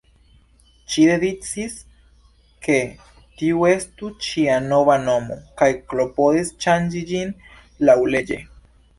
Ŝi decidis, ke tiu estu ŝia nova nomo, kaj klopodis ŝanĝi ĝin laŭleĝe.